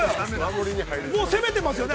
◆攻めてますよね。